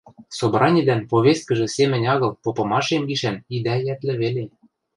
Собранидӓн повесткӹжӹ семӹнь агыл попымашем гишӓн идӓ йӓтлӹ веле.